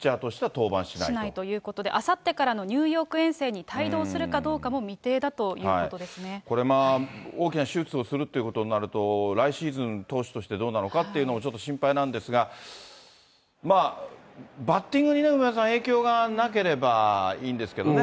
登板しないということで、あさってからのニューヨーク遠征に帯同するかどうかも未定だといこれまあ、大きな手術をするということになると、来シーズン、投手としてどうなのかというの、ちょっと心配なんですが、まあ、バッティングに影響がなければいいんですけどね。